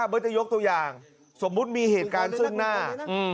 เบิร์ตจะยกตัวอย่างสมมุติมีเหตุการณ์ซึ่งหน้า